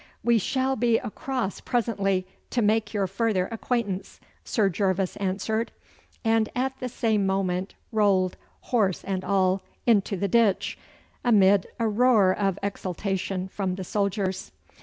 'We shall be across presently to make your further acquaintance,' Sir Gervas answered, and at the same moment rolled, horse and all, into the ditch, amid a roar of exultation from the soldiers.